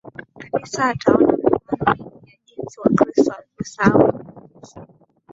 Kanisa ataona mifano mingi ya jinsi Wakristo walivyosahau mafundisho